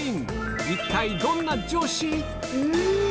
一体どんな女子？